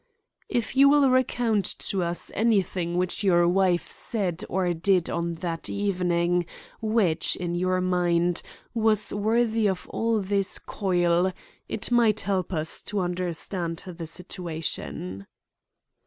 "If you will recount to us anything which your wife said or did on that evening which, in your mind, was worthy of all this coil, it might help us to understand the situation."